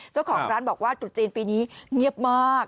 เจ้าของร้านบอกว่าตรุษจีนปีนี้เงียบมาก